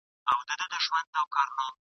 د هغه سړي یې مخ نه وي کتلی !.